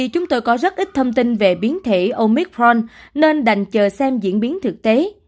chúng tôi có rất ít thông tin về biến thể omicron nên đành chờ xem diễn biến thực tế